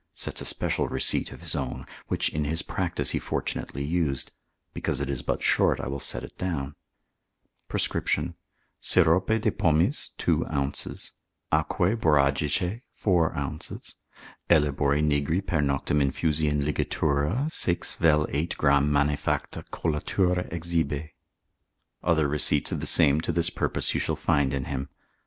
sets a special receipt of his own, which, in his practice he fortunately used; because it is but short I will set it down. ℞. Syrupe de pomis ℥ij, aquae borag. ℥iiij. Ellebori nigri per noctem infusi in ligatura 6 vel 8 gr. mane facta collatura exhibe. Other receipts of the same to this purpose you shall find in him.